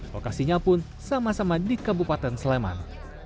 lokasinya pun sama sama di kabupaten sleman